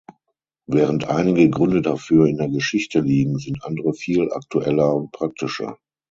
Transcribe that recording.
Während einige Gründe dafür in der Geschichte liegen, sind andere viel aktueller und praktischer.